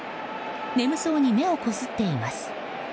眠そうに目をこすっています。